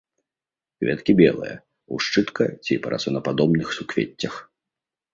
Кветкі белыя, у шчытка- ці парасонападобных суквеццях.